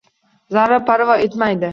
Zarra parvo etmaydi.